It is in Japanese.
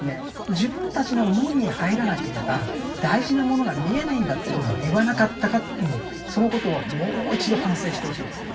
自分たちの門に入らなければ大事なものが見えないんだということを言わなかったかってそのことはもう一度反省してほしいですね